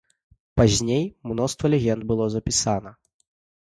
Пазней мноства легенд было запісана.